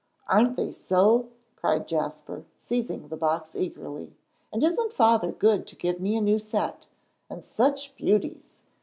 "Aren't they so?" cried Jasper, seizing the box eagerly. "And isn't Father good to give me a new set? And such beauties!"